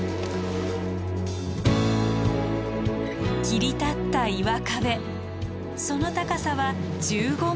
切り立った岩壁その高さは１５ｍ。